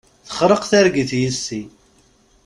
Txerreq targit yis-i.